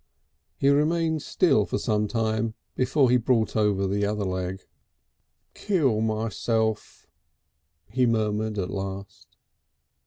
He remained still for some time before he brought over the other leg. "Kill myself," he murmured at last.